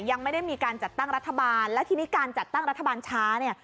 ยังไม่ได้มีการจัดตั้งรัฐบาลและทีนี้การจัดตั้งรัฐบาลช้าเนี่ย